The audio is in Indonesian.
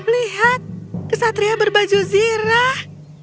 lihat kesatria berbaju zirah